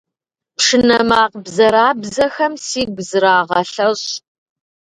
Пшынэ макъ бзэрабзэхэм сигу зырагъэлъэщӏ.